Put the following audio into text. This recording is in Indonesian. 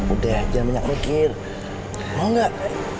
udah jangan banyak mikir mau nggak